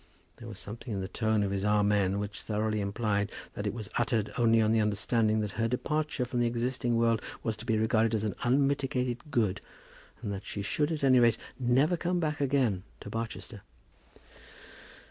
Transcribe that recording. There was something in the tone of his Amen which thoroughly implied that it was uttered only on the understanding that her departure from the existing world was to be regarded as an unmitigated good, and that she should, at any rate, never come back again to Barchester.